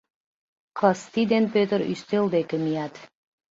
Кысти ден Пӧтыр ӱстел деке мият.